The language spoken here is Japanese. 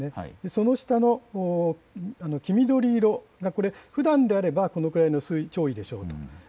その下の黄緑色が、ふだんであればこのくらいの潮位でしょうという。